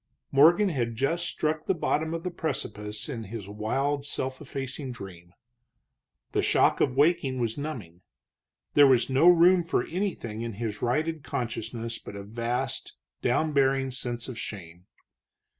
Morgan had just struck the bottom of the precipice in his wild, self effacing dream. The shock of waking was numbing; there was no room for anything in his righted consciousness but a vast, down bearing sense of shame.